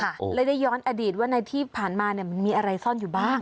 นะครับเพราะว่าจะได้ย้อนอดีตว่านายที่ผ่านมามันมีอะไรซ่อนอยู่บ้าง